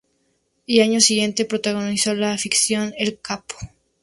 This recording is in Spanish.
Y año siguiente protagonizó la ficción, "El Capo".